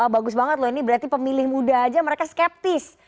bagus banget loh ini berarti pemilih muda aja mereka skeptis